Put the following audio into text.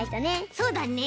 そうだね。